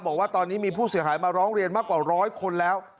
บอกว่าตอนนี้มีผู้เสียหายมาร้องเรียนมากกว่าร้อยคนแล้ว